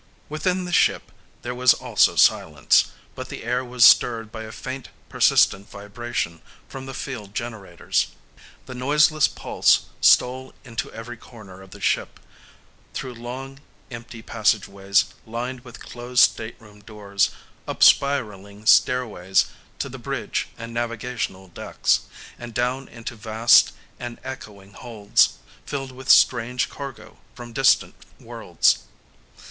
Within the ship there was also silence, but the air was stirred by a faint, persistent vibration from the field generators. This noiseless pulse stole into every corner of the ship, through long, empty passageways lined with closed stateroom doors, up spiraling stairways to the bridge and navigational decks, and down into vast and echoing holds, filled with strange cargo from distant worlds.